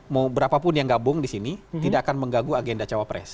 mau berapapun yang gabung di sini tidak akan menggaguh agenda cawa pres